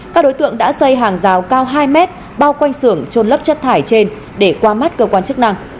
các đối tượng đã xây hàng rào cao hai mét bao quanh xưởng trôn lấp chất thải trên để qua mắt cơ quan chức năng